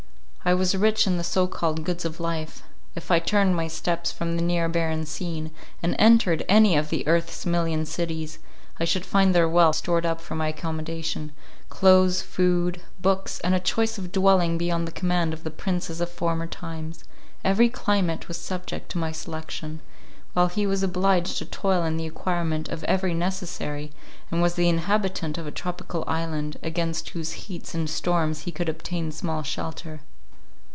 I was rich in the so called goods of life. If I turned my steps from the near barren scene, and entered any of the earth's million cities, I should find their wealth stored up for my accommodation—clothes, food, books, and a choice of dwelling beyond the command of the princes of former times—every climate was subject to my selection, while he was obliged to toil in the acquirement of every necessary, and was the inhabitant of a tropical island, against whose heats and storms he could obtain small shelter.